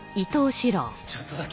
ちょっとだけ。